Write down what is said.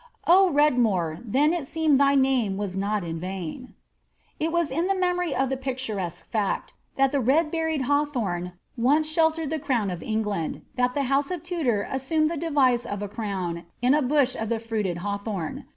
Oh Redmore, then it seemed thy name was not in vain !*' It was in memory of tlie picturesque fact that the red berried haw thorn once sheltered the crown of England, that the house of Tudor as sumed the device of a crown in a bush of the fruited hawthorn.